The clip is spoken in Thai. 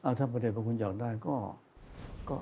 อะถ้าพระเจ้าบุคคลอยากได้ก็